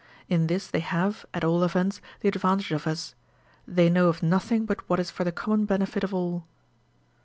In this they have, at all events, the advantage of us — they know of nothing but what is for the common benefit of all.